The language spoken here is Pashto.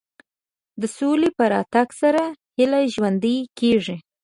د سولې په راتګ سره هیله ژوندۍ کېږي.